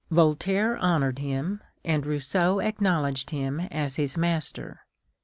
Voltaire honored him, and Rousseau acknowledged him as his master.